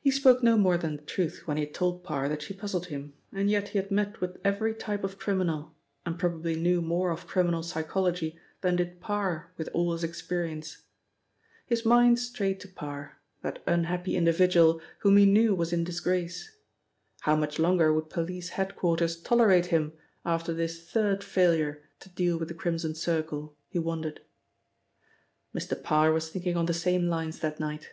He spoke no more than the truth when he had told Parr that she puzzled him, and yet he had met with every type of criminal, and probably knew more of criminal psychology than did Parr with all his experience. His mind strayed to Parr, that unhappy individual whom he knew was in disgrace. How much longer would police head quarters tolerate him after this third failure to deal with the Crimson Circle, he wondered. Mr. Parr was thinking on the same lines that night.